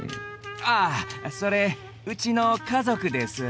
あそれうちの家族です。